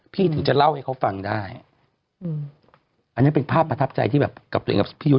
ถึงจะเล่าให้เขาฟังได้อืมอันนั้นเป็นภาพประทับใจที่แบบกับตัวเองกับพี่ยุทธ